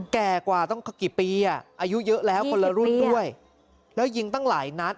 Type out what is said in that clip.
แก่กว่าต้องกี่ปีอ่ะอายุเยอะแล้วคนละรุ่นด้วยแล้วยิงตั้งหลายนัด